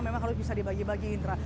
memang kalau bisa dibagi bagi indra